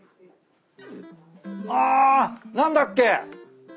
あ何だっけ？